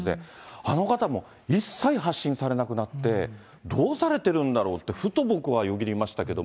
あの方も一切発信されなくなって、どうされてるんだろうって、ふと僕はよぎりましたけど。